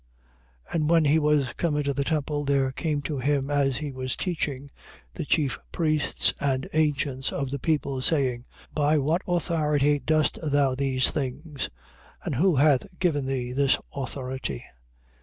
21:23. And when he was come into the temple, there came to him, as he was teaching, the chief priests and ancients of the people, saying: By what authority dost thou these things? And who hath given thee this authority?